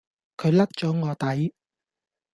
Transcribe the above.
佢甩左我底